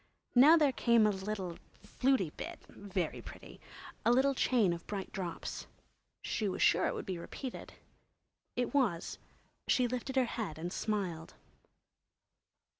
Now there came a little "flutey" bit—very pretty!—a little chain of bright drops. She was sure it would be repeated. It was; she lifted her head and smiled.